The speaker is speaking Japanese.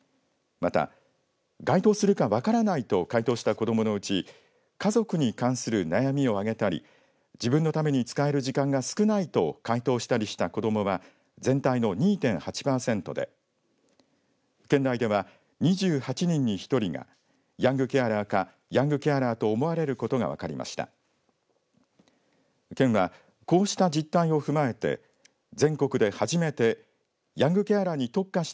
また、該当するか分からないと回答した子どものうち家族に関する悩みを挙げたり自分のために使える時間が少ないと回答したりした子どもは全体の２．８パーセントで県内では２８人に１人がヤングケアラーかヤングケアラーと思われることが分かりました。